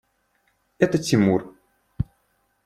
Это – Тимур.